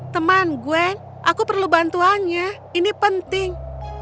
teman gue aku perlu bantuannya ini penting